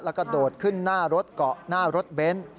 แล้วก็โดดขึ้นหน้ารถเกาะหน้ารถเบนท์